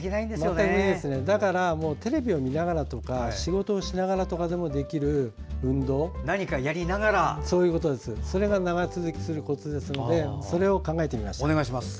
だからテレビを見ながら仕事をしながらでもできる運動ということでそれが長続きするコツですのでそれを考えてみました。